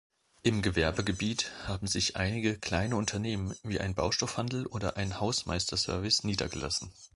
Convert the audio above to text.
Im Gewerbegebiet haben sich einige kleine Unternehmen, wie ein Baustoffhandel oder ein Hausmeister-Service niedergelassen.